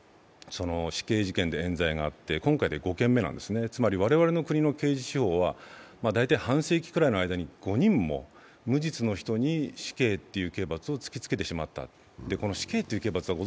８０年代に４件、死刑事件でえん罪があって今回で５件目なんですね、つまり我々の国の刑事手法は大体半世紀くらいの間に、５人も無実の人に死刑という刑罰を突きつけてしまった。